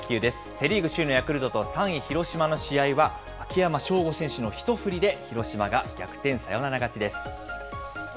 セ・リーグ首位のヤクルトと３位広島の試合は、秋山翔吾選手の一振りで広島が逆転サヨナラ勝ちです。